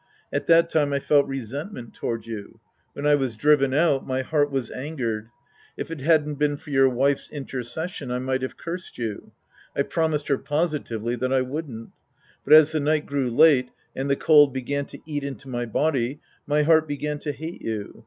At that time I felt resent ment toward you. When I was driven out, my heart was angered. If it hadn't been for your wife's inter cession, I might have cursed you. I promised her positively that I wouldn't. But as the night grew late and the cold began to eat into my body, my heart began to hate you.